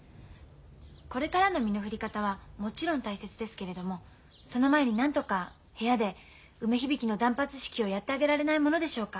これからの身の振り方はもちろん大切ですけれどもその前になんとか部屋で梅響の断髪式をやってあげられないものでしょうか。